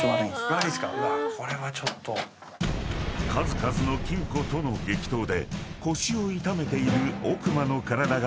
［数々の金庫との激闘で腰を痛めている］